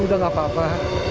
udah gak apa apa